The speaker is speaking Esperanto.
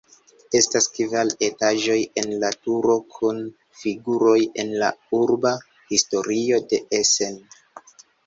Estas kvar etaĝoj en la turo kun figuroj el la urba historio de Essen.